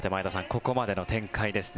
ここまでの展開ですね。